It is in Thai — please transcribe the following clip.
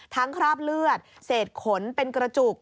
คราบเลือดเศษขนเป็นกระจุก